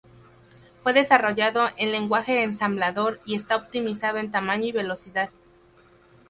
Fue desarrollado en lenguaje ensamblador, y está optimizado en tamaño y velocidad.